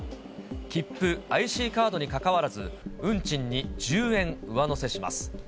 切符、ＩＣカードにかかわらず、運賃に１０円上乗せします。